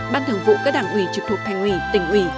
ban thường vụ các đảng ủy trực thuộc thành ủy tỉnh ủy